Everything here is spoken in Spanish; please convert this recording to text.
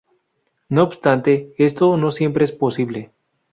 No obstante, esto no siempre es posible.